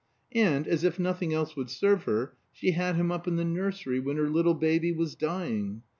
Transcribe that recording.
And, as if nothing else would serve her, she had him up in the nursery when her little baby was dying.